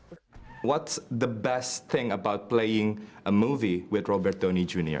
apa yang terbaik dalam memainkan film dengan robert downey jr